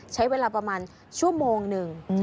ใช้เวลาประมาณชั่วโมงหนึ่ง